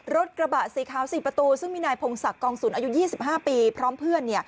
รถกระบะสีขาว๔ประตูซึ่งมีนายพงศักดิ์กองสุนอายุ๒๕ปีพร้อมเพื่อน